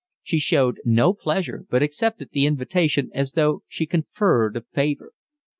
She showed no pleasure, but accepted the invitation as though she conferred a favour.